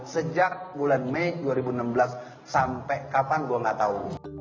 sejak bulan mei dua ribu enam belas sampai kapan gue gak tahu